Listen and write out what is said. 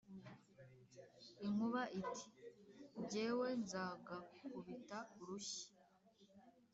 inkuba iti: ” jyewe nzagakubita urushyi,